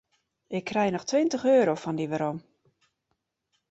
Ik krij noch tweintich euro fan dy werom.